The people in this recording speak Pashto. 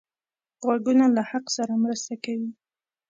غوږونه له حق سره مرسته کوي